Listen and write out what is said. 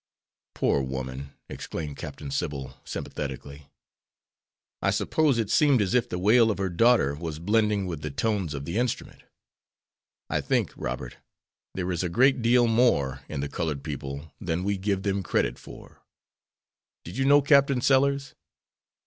"Poor woman!" exclaimed Captain Sybil, sympathetically; "I suppose it seemed as if the wail of her daughter was blending with the tones of the instrument. I think, Robert, there is a great deal more in the colored people than we give them credit for. Did you know Captain Sellers?"